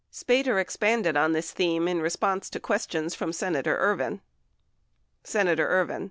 Spater expanded on this theme in response to ques tions from Senator Ervin. Senator Ervin.